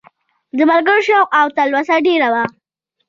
د ملګرو شوق او تلوسه ډېره وه.